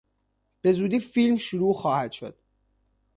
به زودی فیلم شروع خواهد شد.